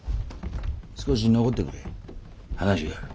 少し残ってくれ話がある。